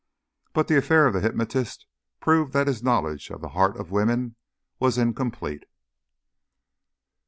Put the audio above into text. But the affair of the hypnotist proved that his knowledge of the heart of woman was incomplete.